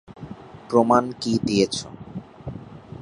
প্রমাণ কী দিয়েছ?